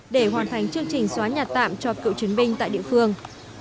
để hoàn thành chương trình xóa nhà tạm cho cựu chiến binh tại địa phương